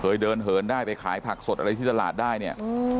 เดินเหินได้ไปขายผักสดอะไรที่ตลาดได้เนี่ย